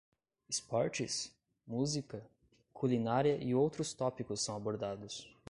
Esportes? música? culinária e outros tópicos são abordados.